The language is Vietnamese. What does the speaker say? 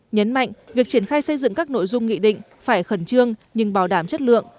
nhấn mạnh việc triển khai xây dựng các nội dung nghị định phải khẩn trương nhưng bảo đảm chất lượng